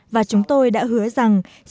và chúng tôi đã hứa rằng sẽ mở cửa